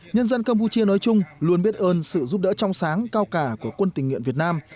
nhân dân campuchia nói chung luôn biết ơn sự giúp đỡ trong sáng cao cả của quân tình nguyện việt nam